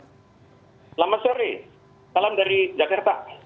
selamat sore salam dari jakarta